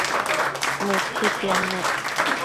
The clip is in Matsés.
Mëtsitiad nec